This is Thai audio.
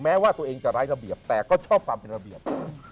แม้ว่าตัวเองจะไร้ระเบียบแต่ก็ชอบความเป็นระเบียบ